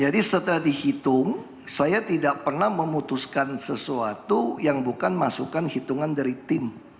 setelah dihitung saya tidak pernah memutuskan sesuatu yang bukan masukan hitungan dari tim